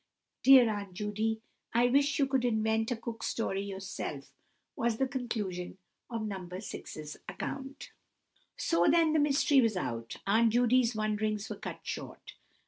Dear Aunt Judy, I wish you would invent a Cook Story yourself!" was the conclusion of No. 6's account. So then the mystery was out. Aunt Judy's wonderings were cut short.